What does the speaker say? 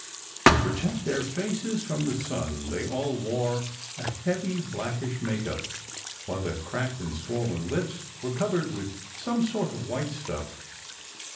To protect their faces from the sun they all wore a heavy blackish make up while their cracked and swollen lips were covered with some sort of white stuff.